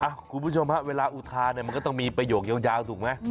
คุณผู้ชมฮะเวลาอุทานเนี่ยมันก็ต้องมีประโยคยาวถูกไหม